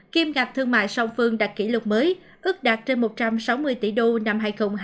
kiêm ngạc thương mại song phương đạt kỷ lục mới ước đạt trên một trăm sáu mươi tỷ đô năm hai nghìn hai mươi một